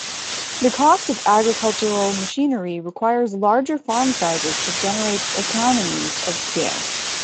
The cost of agricultural machinery requires larger farm sizes to generate economies of scale.